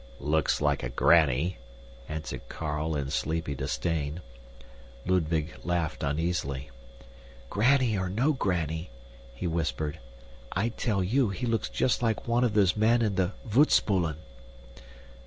"Looks like a granny!" answered Carl in sleepy disdain. Ludwig laughed uneasily. "Granny or no granny," he whispered, "I tell you he looks just like one of those men in the voetspoelen."